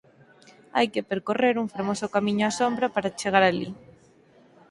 Hai que percorrer un fermoso camiño á sombra para chegar alí.